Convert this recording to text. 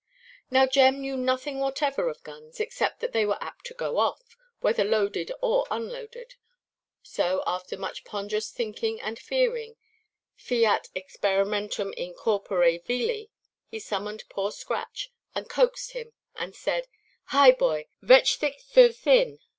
Now Jem knew nothing whatever of guns, except that they were apt to go off, whether loaded or unloaded; so after much ponderous thinking and fearing—fiat experimentum in corpore vili—he summoned poor Scratch, and coaxed him, and said, "Hie, boy, vetch thic thur thinʼ!"